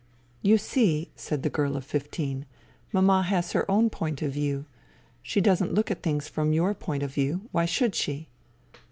'*" You see," said the girl of fifteen, " Mama has her own point of view. She doesn't look at things from your point of view. Why should she